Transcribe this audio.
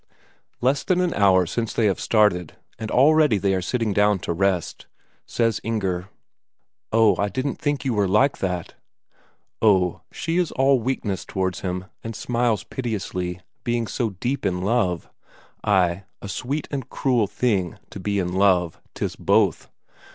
Less than an hour since they started, and already they are sitting down to rest. Says Inger: "Oh, I didn't think you were like that?" Oh, she is all weakness towards him, and smiles piteously, being so deep in love ay, a sweet and cruel thing to be in love, 'tis both!